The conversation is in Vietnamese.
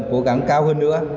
cố gắng cao hơn nữa